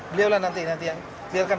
beliulah nanti yang menjelaskan